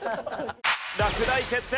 落第決定！